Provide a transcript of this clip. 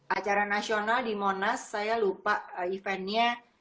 acara nasional di monas saya lupa eventnya